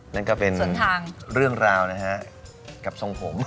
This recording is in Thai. นั่นก็เป็นเรื่องราวนะฮะกับทรงผม